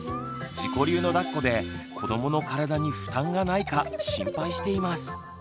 自己流のだっこで子どもの体に負担がないか心配しています。